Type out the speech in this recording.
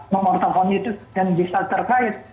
mengorbankan itu dan bisa terkait